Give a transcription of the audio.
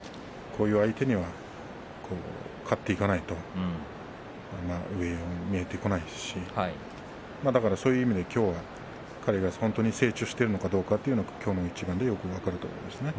霧馬山にとってはこういう相手には勝っていかないと上が見えてこないしそういう意味で、きょうは彼が本当に成長してるのかどうかきょうの一番でよく分かると思いますね。